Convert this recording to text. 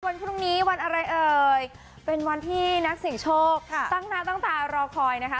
วันพรุ่งนี้วันอะไรเอ่ยเป็นวันที่นักเสียงโชคตั้งหน้าตั้งตารอคอยนะคะ